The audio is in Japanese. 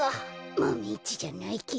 マメ１じゃないけどね。